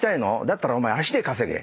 「だったらお前足で稼げ」